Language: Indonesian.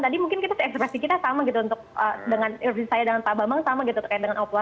tadi mungkin ekspresi kita sama dengan pak bambang